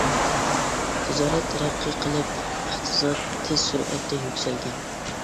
تىجارەت تەرەققىي قىلىپ، ئىقتىساد تىز سۈرئەتتە يۈكسەلگەن.